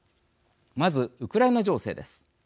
まず、ウクライナ情勢です。